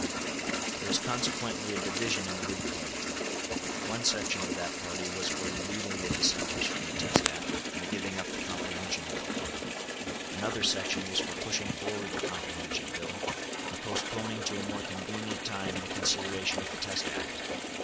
There was consequently a division in the Whig party. One section of that party was for relieving the dissenters from the Test Act, and giving up the Comprehension Bill. Another section was for pushing forward the Comprehension Bill, and postponing to a more convenient time the consideration of the Test Act.